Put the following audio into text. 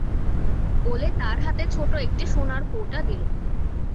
বলে তার হাতে ছোটো একটি সোনার কৌটা দিলে।